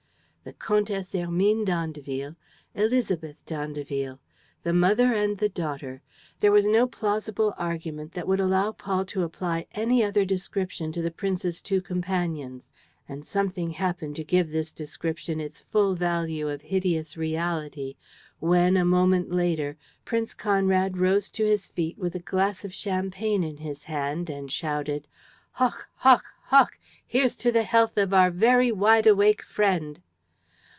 The Comtesse Hermine d'Andeville! Élisabeth d'Andeville! The mother and the daughter! There was no plausible argument that would allow Paul to apply any other description to the prince's two companions. And something happened to give this description its full value of hideous reality when, a moment later, Prince Conrad rose to his feet, with a glass of champagne in his hand, and shouted: "Hoch! Hoch! Hoch! Here's to the health of our very wideawake friend!"